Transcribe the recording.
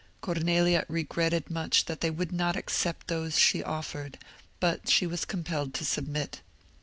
Cornelia regretted much that they would not accept those she offered, but she was compelled to submit.